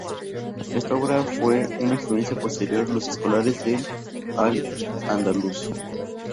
Esta obra fue una influencia posterior los escolares del al-Ándalus.